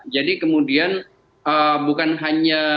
jadi kemudian bukan hanya